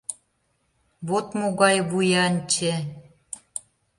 — Вот могай вуянче!..